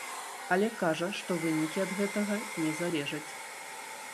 Але кажа, што вынікі ад гэтага не залежаць.